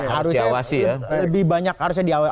harusnya diawasi ya lebih banyak harusnya diawasi